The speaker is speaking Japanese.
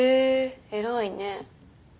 偉いね。